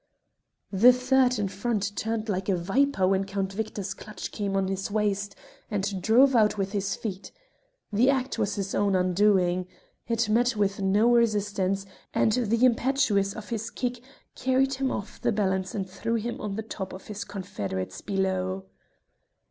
The third in front turned like a viper when Count Victor's clutch came on his waist, and drove out with his feet. The act was his own undoing. It met with no resistance, and the impetus of his kick carried him off the balance and threw him on the top of his confederates below.